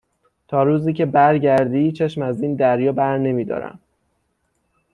تا روزی که بر گردی چشم از این دریا برنمی دارم.